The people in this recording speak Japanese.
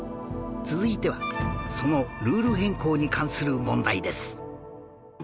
続いてはそのルール変更に関する問題です